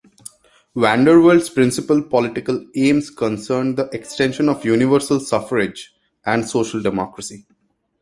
Vandervelde's principle political aims concerned the extension of universal suffrage and social democracy.